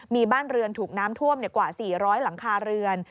มีบ้านเรือนถูกน้ำท่วมกว่า๔๐๐หลังคาเรือน